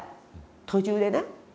途中でな。